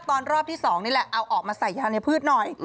รอบที่๒นี่แหละเอาออกมาใส่ยาในพืชหน่อย